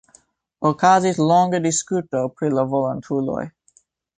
Okazis longa diskuto pri la volontuloj.